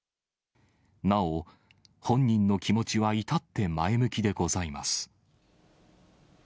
なお、本人の気持ちは至って前向きでございます。